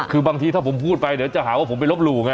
คือบางทีถ้าผมพูดไปเดี๋ยวจะหาว่าผมไปลบหลู่ไง